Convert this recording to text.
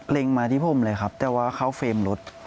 มาที่ผมเลยครับแต่ว่าเข้าเฟรมรถ